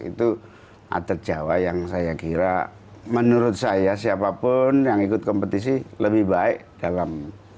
itu atlet jawa yang saya kira menurut saya siapapun yang ikut kompetisi lebih baik dalam